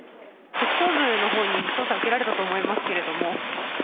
特捜部のほうに捜査を受けられたと思いますけれども。